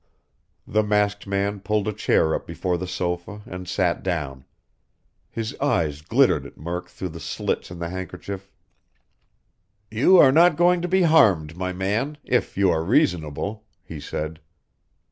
The masked man pulled a chair up before the sofa and sat down. His eyes glittered at Murk through the slits in the handkerchief. "You are not going to be harmed, my man if you are reasonable," he said.